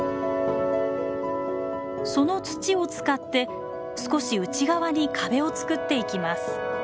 その土を使って少し内側に壁を作っていきます。